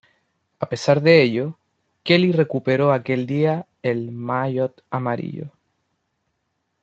A pesar de ello, Kelly recuperó aquel día el maillot amarillo.